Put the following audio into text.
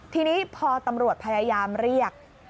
ทีนี้พอตำรวจพยายามเรียก